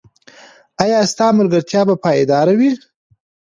ایا ستاسو ملګرتیا به پایداره وي؟